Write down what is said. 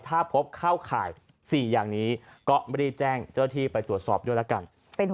ถ้าพบเข้าข่าย๔อย่างนี้ก็รีบแจ้งเจ้าที่ไปตรวจสอบด้วยละกัน